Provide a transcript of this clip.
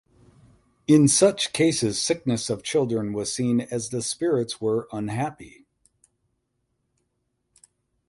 In such cases sickness of children was seen as the spirits were unhappy.